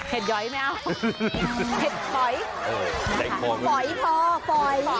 เห็ดฝอย